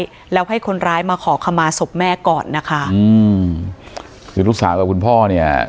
แล้วให้คนร้ายมาขอขมาศพแม่ก่อนนะคะอืมคือลูกสาวกับคุณพ่อเนี่ย